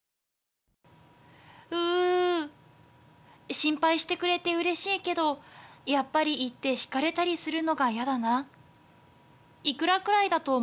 心配してくれてうれしいけど、やっぱり言って引かれたりするのがやだな。